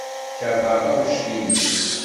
Keṛheɣ taɣect-nnes.